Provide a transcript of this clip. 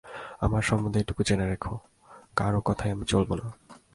আমার সম্বন্ধে এইটুকু জেনে রেখো, কারও কথায় আমি চলব না।